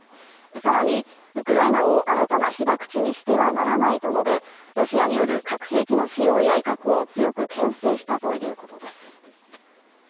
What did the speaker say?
更に、ウクライナを新たな被爆地にしてはならないと述べロシアによる核兵器の使用や威嚇を強くけん制したということです。